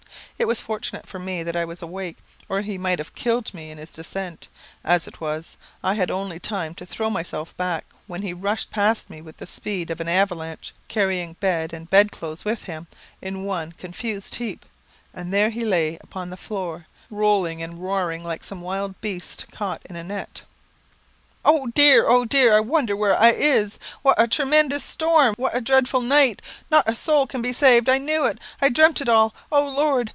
It was fortunate for me that I was awake, or he might have killed me in his descent; as it was, I had only time to throw myself back, when he rushed past me with the speed of an avalanche, carrying bed and bed clothes with him in one confused heap; and there he lay upon the floor, rolling and roaring like some wild beast caught in a net. "Oh, dear! oh, dear! I wonder where I is; what a tre men dous storm what a dreadful night not a soul can be saved, I knew it I dreampt it all. Oh Lord!